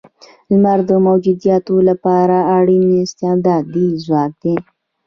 لمر د موجوداتو لپاره اړین استعدادی ځواک دی.